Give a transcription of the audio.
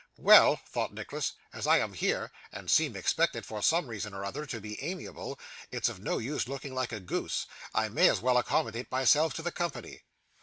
'Well,' thought Nicholas, 'as I am here, and seem expected, for some reason or other, to be amiable, it's of no use looking like a goose. I may as well accommodate myself to the company.